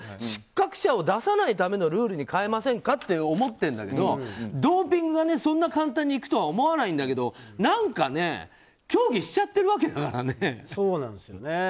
失格者を出さないためのルールに変えませんかって思ってるんだけどドーピングがそんな簡単にいくとは思わないんだけど競技しちゃってるわけだからね。